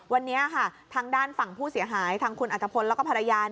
วันนี้ทางด้านฝั่งผู้เสียหายทางคุณอาจารย์และภรรยา